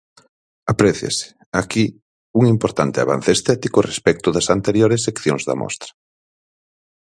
Apréciase, aquí, un importante avance estético respecto das anteriores seccións da mostra.